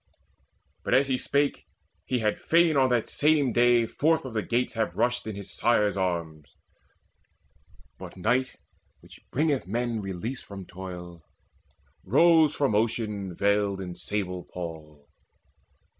But, as he spake, he had fain on that same day Forth of the gates have rushed in his sire's arms; But night, which bringeth men release from toil, Rose from the ocean veiled in sable pall.